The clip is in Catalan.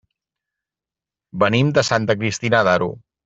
Venim de Santa Cristina d'Aro.